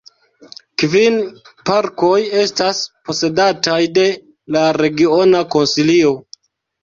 Kvin parkoj estas posedataj de la regiona konsilio.